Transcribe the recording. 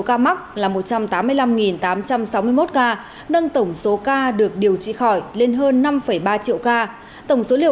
ca mắc là một trăm tám mươi năm tám trăm sáu mươi một ca nâng tổng số ca được điều trị khỏi lên hơn năm ba triệu ca tổng số liều